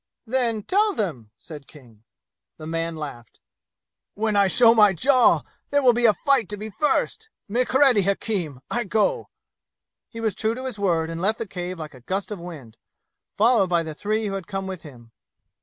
"Then, tell them," said King. The man laughed. "When I show my jaw, there will be a fight to be first! Make ready, hakim! I go!" He was true to his word and left the cave like a gust of wind, followed by the three who had come with him.